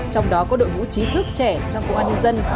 trong đó có đội ngũ trí thức trẻ trong công an nhân dân